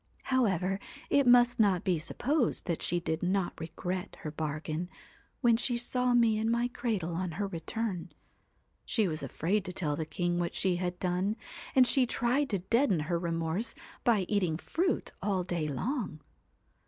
' However, it must not be supposed that she did not regret her bargain, when she saw me in my cradle on her return. She was afraid to tell the king what she had done, and she tried to deaden her remorse by eating fruit all day long.